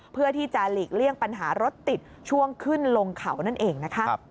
เพื่อที่จะหลีกเลี่ยงปัญหารถติดช่วงขึ้นลงเขานั่นเองนะคะ